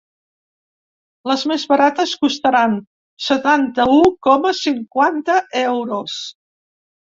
Les més barates costaran setanta-u coma cinquanta euros.